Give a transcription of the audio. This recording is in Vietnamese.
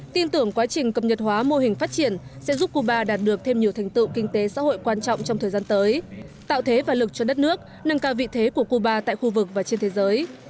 tin tưởng quá trình cập nhật hóa mô hình phát triển sẽ giúp cuba đạt được thêm nhiều thành tựu kinh tế xã hội quan trọng trong thời gian tới tạo thế và lực cho đất nước nâng cao vị thế của cuba tại khu vực và trên thế giới